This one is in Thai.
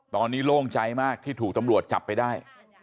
ตอนนี้โล่งใจมากที่ถูกตำรวจจับไปได้